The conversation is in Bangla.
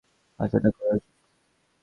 আলোচনা করাই উচিত।